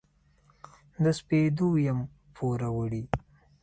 د سپېدو یم پوروړي